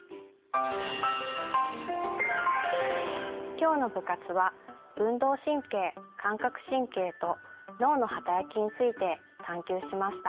今日の部活は運動神経感覚神経と脳の働きについて探究しました。